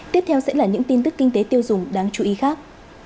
tiếp theo sẽ là những tin tức kinh tế tiêu dùng đáng chú ý khác